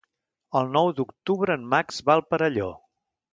El nou d'octubre en Max va al Perelló.